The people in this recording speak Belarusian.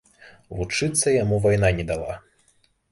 Вучыцца яму вайна не дала.